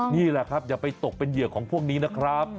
นี่แหละครับอย่าไปตกเป็นเหยื่อของพวกนี้นะครับ